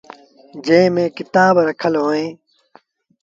جݩهݩ ميݩ ڪتآب رکل اوهيݩ۔